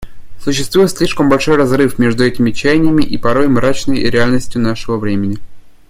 Существует слишком большой разрыв между этими чаяниями и порой мрачной реальностью нашего времени.